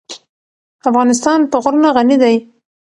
افغانستان په غرونه غني دی.